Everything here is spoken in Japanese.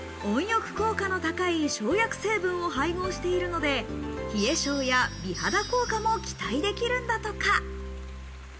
温浴効果の高い生薬成分を配合しているので、冷え性や美肌効果も期待できるんだとか。